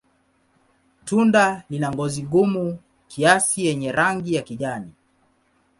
Tunda lina ngozi gumu kiasi yenye rangi ya kijani.